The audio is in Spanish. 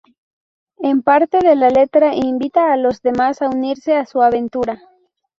En parte de la letra invita a los demás a unirse a su aventura.